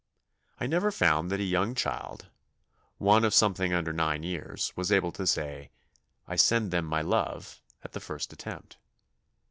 I never found that a young child one of something under nine years was able to say, "I send them my love" at the first attempt.